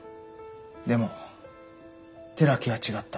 でも寺木は違った。